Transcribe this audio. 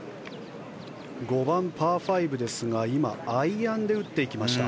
５番、パー５ですがアイアンで打っていきました。